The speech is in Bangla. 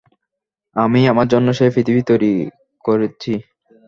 আমিই আমার জন্য সেই পৃথিবী তৈরি করেছি।